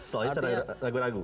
soalnya sering ragu ragu